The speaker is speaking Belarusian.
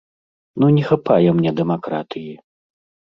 Ну, не хапае мне дэмакратыі.